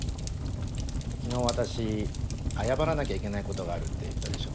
昨日私謝らなきゃいけないことがあるって言ったでしょ。